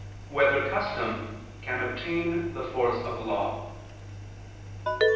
3] Whether Custom Can Obtain Force of Law?